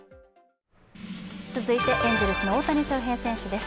続いて、エンゼルスの大谷翔平選手です。